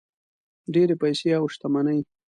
ډېرې پیسې او شتمني.